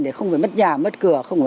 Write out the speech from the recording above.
để không phải mất nhà mất cửa